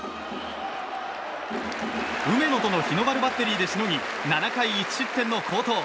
梅野との日の丸バッテリーでしのぎ７回１失点の好投。